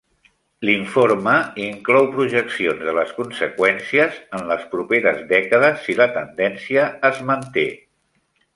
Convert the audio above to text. L'informe inclou projeccions de les conseqüències en les properes dècades si la tendència es manté.